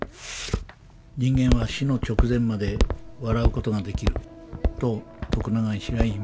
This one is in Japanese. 人間は死の直前まで笑うことができると徳永医師は言いました。